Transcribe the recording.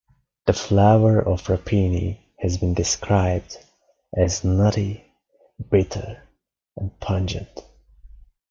The flavor of rapini has been described as nutty, bitter, and pungent.